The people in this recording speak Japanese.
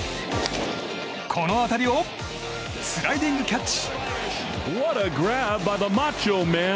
この当たりをスライディングキャッチ。